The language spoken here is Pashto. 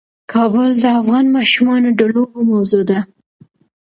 کابل د افغان ماشومانو د لوبو موضوع ده.